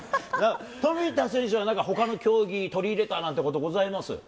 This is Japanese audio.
冨田選手はなんかほかの競技、取り入れたなんてことございます？